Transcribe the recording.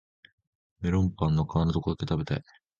メロンパンの皮のとこだけ食べたい